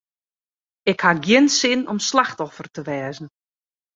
Ik haw gjin sin om slachtoffer te wêze.